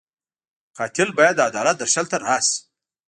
قاتل باید د عدالت درشل ته راشي